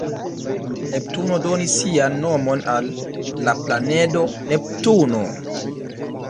Neptuno donis sian nomon al la planedo Neptuno.